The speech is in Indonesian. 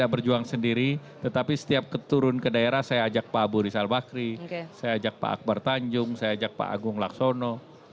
saya berjuang sendiri tetapi setiap keturun ke daerah saya ajak pak abu rizal bakri saya ajak pak akbar tanjung saya ajak pak agung laksono